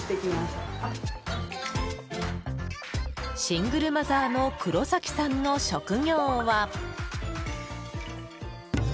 シングルマザーの黒崎さんの職業は。